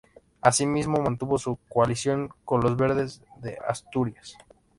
Asimismo mantuvo su coalición con Los Verdes de Asturias.